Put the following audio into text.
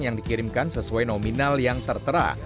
yang dikirimkan sesuai nominal yang tertera